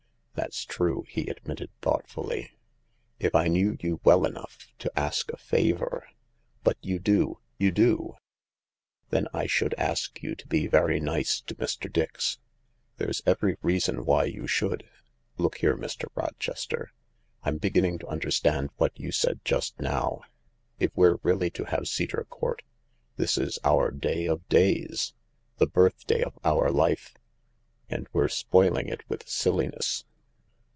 "That's true," he admitted thoughtfully. " If I knew you well enough to ask a favour ..." "But you do — you do." '' Then I should ask you to be very nice to Mr . Di x. There 's every reason why you should. Look here, Mr. Rochester. I'm beginning to understand what you said just now. If we're really to have Cedar Court, this is our day of days — the birthday of our life. And we're spoiling it with silliness.